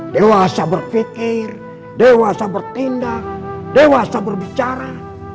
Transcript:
dewasa berpikir dewasa bertindak dewasa berbicara